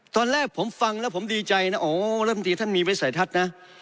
ตอนแรกผมฟังแล้วผมดีใจนะอ๋อรำติท่านมีไม่ใส่ทัศน์นะ